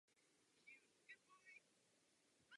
Nezareagujeme-li, nemůžeme uspět.